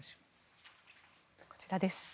こちらです。